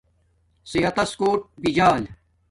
صحت کوٹ بجال